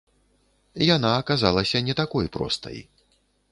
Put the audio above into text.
Яна аказалася не такой простай.